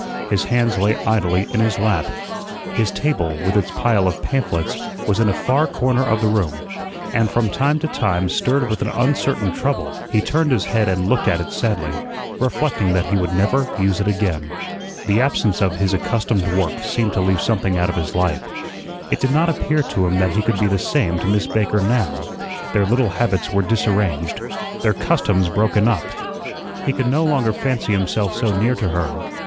His hands lay idly in his lap. His table, with its pile of pamphlets, was in a far corner of the room, and, from time to time, stirred with an uncertain trouble, he turned his head and looked at it sadly, reflecting that he would never use it again. The absence of his accustomed work seemed to leave something out of his life. It did not appear to him that he could be the same to Miss Baker now; their little habits were disarranged, their customs broken up. He could no longer fancy himself so near to her.